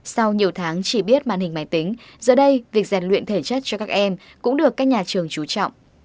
sau nhiều tháng chỉ biết màn hình máy tính giờ đây việc rèn luyện thể chất cho các em cũng được các nhà trường trú trọng